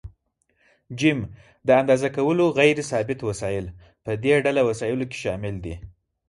ج: د اندازه کولو غیر ثابت وسایل: په دې ډله وسایلو کې شامل دي.